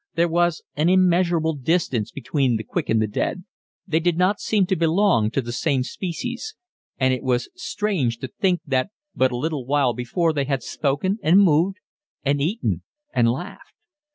There was an immeasurable distance between the quick and the dead: they did not seem to belong to the same species; and it was strange to think that but a little while before they had spoken and moved and eaten and laughed.